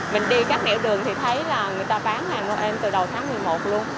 mình đi các nẻo đường thì thấy là người ta bán hàng noel từ đầu tháng một mươi một luôn